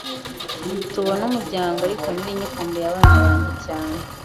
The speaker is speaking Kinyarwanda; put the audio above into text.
tubona umuryango ariko nari nkikumbuye abana banjye cyane